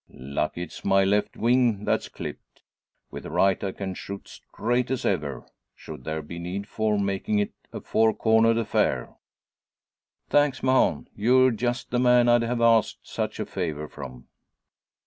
Lucky it's my left wing that's clipped. With the right I can shoot straight as ever should there be need for making it a four cornered affair." "Thanks, Mahon! You're just the man I'd have asked such a favour from."